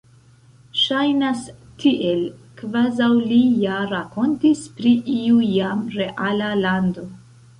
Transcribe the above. Ŝajnas tiel, kvazaŭ li ja rakontis pri iu jam reala lando.